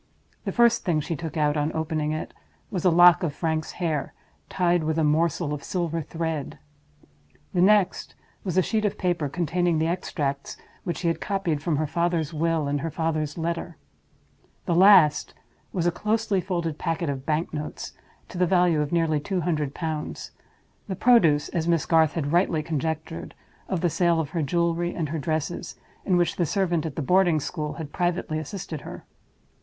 The first thing she took out, on opening it, was a lock of Frank's hair, tied with a morsel of silver thread; the next was a sheet of paper containing the extracts which she had copied from her father's will and her father's letter; the last was a closely folded packet of bank notes, to the value of nearly two hundred pounds—the produce (as Miss Garth had rightly conjectured) of the sale of her jewelry and her dresses, in which the servant at the boarding school had privately assisted her.